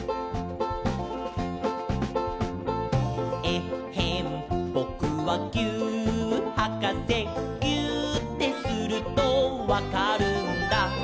「えっへんぼくはぎゅーっはかせ」「ぎゅーってするとわかるんだ」